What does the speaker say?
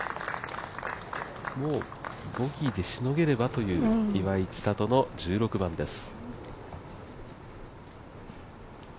ボギーでしのげればという岩井千怜の１６番です。